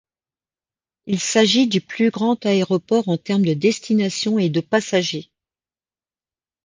Il s'agit du plus grand aéroport en termes de destinations et de passagers.